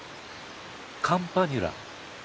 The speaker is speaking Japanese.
カンパニュラ？